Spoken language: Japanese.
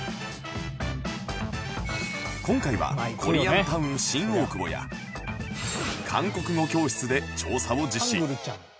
今回はコリアンタウン新大久保や韓国語教室で調査を実施